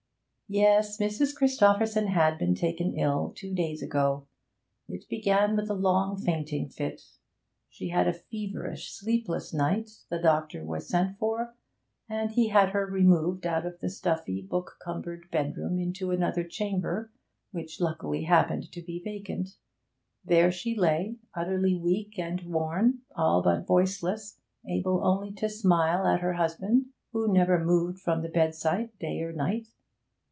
'Yes, Mrs. Christopherson had been taken ill two days ago. It began with a long fainting fit. She had a feverish, sleepless night; the doctor was sent for; and he had her removed out of the stuffy, book cumbered bedroom into another chamber, which luckily happened to be vacant. There she lay utterly weak and worn, all but voiceless, able only to smile at her husband, who never moved from the bedside day or night.